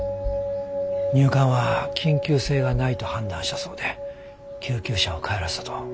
入管は緊急性がないと判断したそうで救急車を帰らせたと。